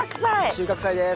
収穫祭です。